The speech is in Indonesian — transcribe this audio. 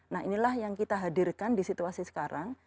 nah inilah yang kita hadirkan di situasi sekarang